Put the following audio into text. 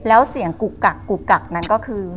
แล้วเสียงกุกกักนั้นก็คือ